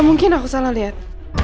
mungkin aku salah liat